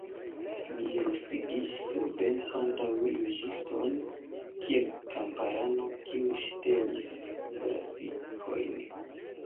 Mi irus sidiĝi sur benkon, antaŭ juĝiston, kiel kamparano, kiu ŝtelis brasikojn!